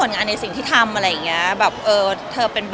สามารถมีสิทธิ์ใจเราได้มองอะไรแบบนี้